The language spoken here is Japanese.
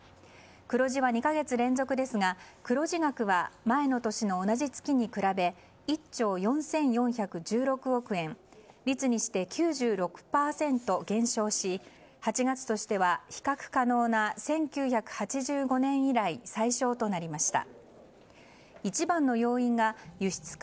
黒字は２か月連続ですが黒字額は前の年の同じ月に比べ１兆４４１６億円率にして９６％減少し８月としては比較可能な１９８５年以来最小となりました。